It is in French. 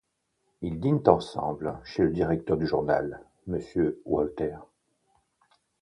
Ils dînent ensemble chez le directeur du journal, Monsieur Walter.